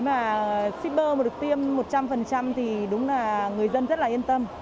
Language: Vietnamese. mà shipper mà được tiêm một trăm linh thì đúng là người dân rất là yên tâm